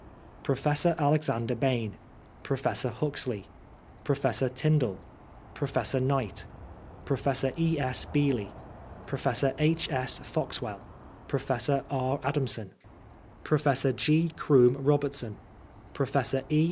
Professor Alexander Bain Professor Huxley Professor Tyndall Professor Ejiight Professor E. & Beesly Professor H. S. Foxwell Professor R. Adamson 166 PBISONEB FOB BLASPHEMY. Professor G. Croom Bobertson Professor £.